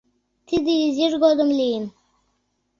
Тиде изиж годым лийын.